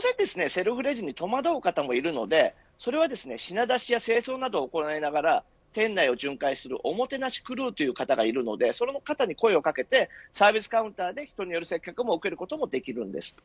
セルフレジに戸惑う方もいるのでそれは品出しや清掃などを行いながら店内を巡回するおもてなしクルーという方がいるのでその方に声をかけてサービスカウンターで人による接客を受けることもできます。